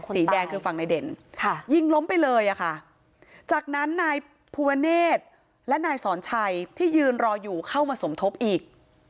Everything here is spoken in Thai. สีแดงคือฝั่งนายเด่นค่ะยิงล้มไปเลยอะค่ะจากนั้นนายภูวะเนธและนายสอนชัยที่ยืนรออยู่เข้ามาสมทบอีก